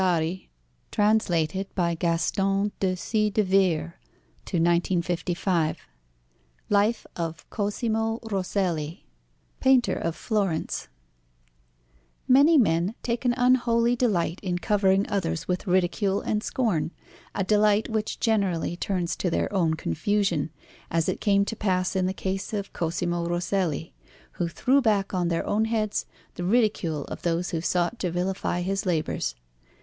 FOOTNOTES: Poplar. White poplar. COSIMO ROSSELLI LIFE OF COSIMO ROSSELLI PAINTER OF FLORENCE Many men take an unholy delight in covering others with ridicule and scorn a delight which generally turns to their own confusion, as it came to pass in the case of Cosimo Rosselli, who threw back on their own heads the ridicule of those who sought to vilify his labours.